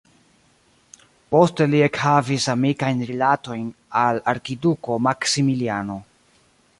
Poste li ekhavis amikajn rilatojn al arkiduko Maksimiliano.